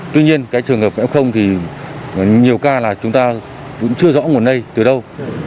tuy nhiên cái trường hợp f thì nhiều ca là chúng ta cũng chưa rõ nguồn lây từ đâu